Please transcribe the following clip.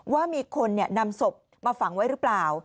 ว่ามีคนนำศพมาฝังไว้หรือเปล่า